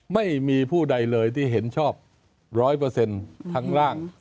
ไม่มีผู้ใดเลยที่เห็นชอบร้อยเปอร์เซ็นต์ทั้งร่าง